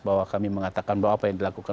bahwa kami mengatakan bahwa apa yang dilakukan